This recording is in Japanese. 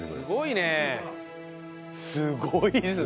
すごいですね。